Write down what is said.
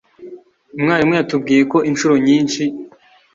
Umwarimu yatubwiye ko inshuro nyinshi